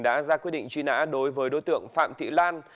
đã ra quyết định truy nã đối với đối tượng phạm thị lan